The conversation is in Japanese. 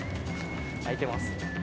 空いてます。